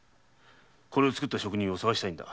これを作った職人を捜したいんだ。